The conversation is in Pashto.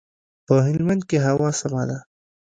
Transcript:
په هلمند کښي هوا سمه ده.